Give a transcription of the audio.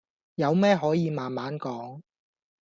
有咩可以慢慢講